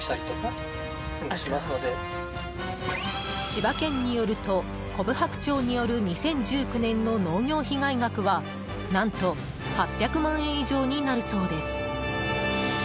千葉県によるとコブハクチョウによる２０１９年の農業被害額は何と８００万円以上になるそうです。